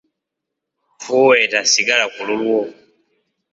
Fuuweta sigala kululwo.